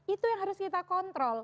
itu yang harus kita kontrol